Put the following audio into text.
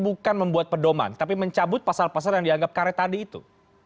bagaimana cara mereka mencabut pasal pasal yang dianggap karet tadi itu